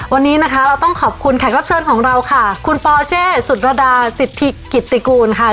วันนี้นะคะเราต้องขอบคุณแขกรับเชิญของเราค่ะคุณปอเช่สุรดาสิทธิกิตติกูลค่ะ